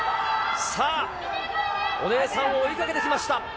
お姉さんを追いかけてきました。